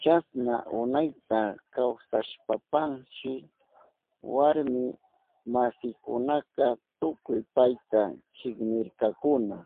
Chasna unayta kawsashpanshi warmi masinkunaka tukuy payta chiknirkakuna.